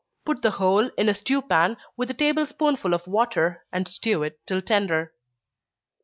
Put the whole in a stew pan, with a table spoonful of water, and stew it till tender.